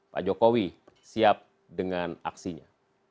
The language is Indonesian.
pak jokowi siap dengan aksinya